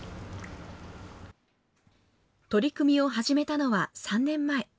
取り組みを始めたのは３年前。